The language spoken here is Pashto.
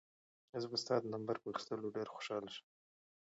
زه به ستا د نمبر په اخیستلو ډېر خوشحاله شم.